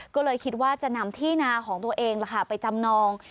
ก็เลยคิดว่าจะนำที่นาของตัวเองไปจำนอง